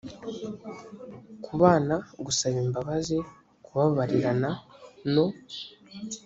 kubana gusaba imbabazi kubabarirana no